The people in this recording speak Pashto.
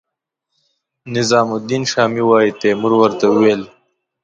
نظام الدین شامي وايي تیمور ورته وویل.